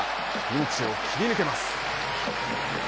ピンチを切り抜けます。